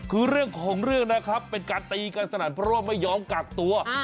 คือเรื่องของเรื่องนะครับเป็นการตีกันสนั่นเพราะว่าไม่ยอมกักตัว